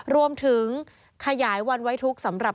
รวมถึงขยายวันไว้ทุกข์สำหรับ